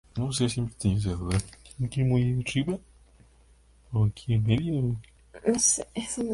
Tradicionalmente, el "mochi" se hace con arroz entero, en un proceso de trabajo intensivo.